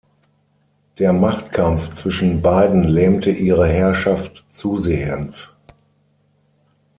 Der Machtkampf zwischen beiden lähmte ihre Herrschaft zusehends.